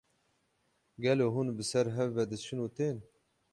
Gelo hûn bi ser hev ve diçin û tên?